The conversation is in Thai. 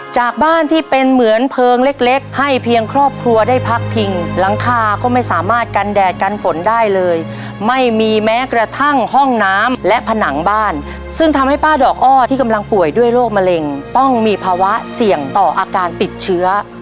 จากบ้านที่เป็นเหมือนเพลิงเล็กเล็กให้เพียงครอบครัวได้พักพิงหลังคาก็ไม่สามารถกันแดดกันฝนได้เลยไม่มีแม้กระทั่งห้องน้ำและผนังบ้านซึ่งทำให้ป้าดอกอ้อที่กำลังป่วยด้วยโรคมะเร็งต้องมีภาวะเสี่ยงต่ออาการติดเชื้อ